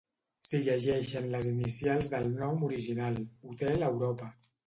S'hi llegeixen les inicials del nom original, Hotel Europa.